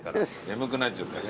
眠くなっちゃった。